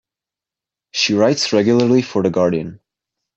She writes regularly for "The Guardian".